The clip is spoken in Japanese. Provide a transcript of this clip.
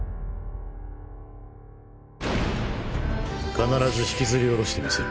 必ず引きずり下ろしてみせる。